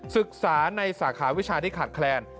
ศึกษาในสาขาวิชาที่ขาดแคลน